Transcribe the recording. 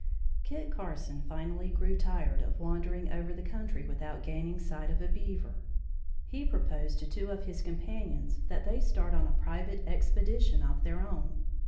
Kit Carson finally grew tired of wandering over the country without gaining sight of a beaver. He proposed to two of his companions that they start on a private expedition of their own.